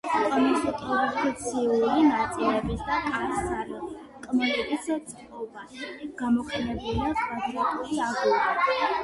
კონსტრუქციული ნაწილების და კარ-სარკმლების წყობაში, გამოყენებულია კვადრატული აგური.